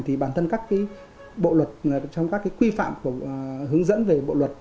thì bản thân các bộ luật trong các cái quy phạm hướng dẫn về bộ luật